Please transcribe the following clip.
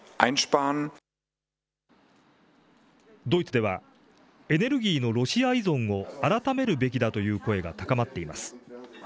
ドイツではエネルギーのロシア依存を改めるべきだという声が高まっています。